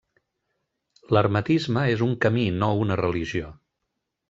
L'hermetisme és un camí, no una religió.